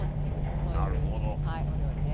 そういうはいお料理です。